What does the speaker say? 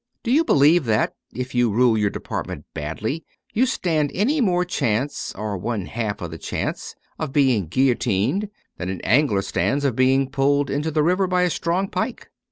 Do you believe that, if you rule your department badly, you stand any more chance, or one half of the chance, of being guil lotined that an angler stands of being pulled into the river by a strong pike